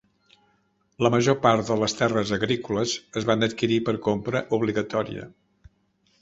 La major part de les terres agrícoles es van adquirir per compra obligatòria.